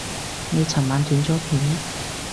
你尋晚斷咗片